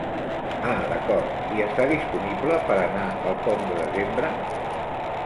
Ah d'acord i està disponible per anar el pont de desembre?